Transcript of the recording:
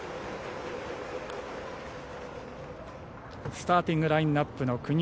スターティングラインアップの９人。